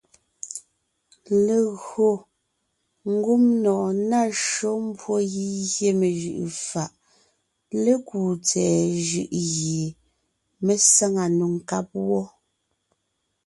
Legÿo ngumnɔɔn ná shÿó mbwó gígyé mejʉʼʉ fàʼ lékúu tsɛ̀ɛ jʉʼ gie mé sáŋa nò nkáb wó.